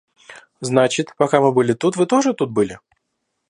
Значит, пока мы были тут, вы тоже тут были?